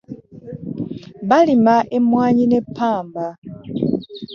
Balima emmwanyi ne ppamba.